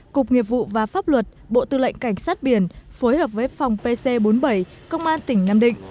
cục nghiệp vụ và pháp luật bộ tư lệnh cảnh sát biển phối hợp với phòng pc bốn mươi bảy công an tỉnh nam định